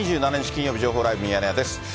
金曜日、情報ライブミヤネ屋です。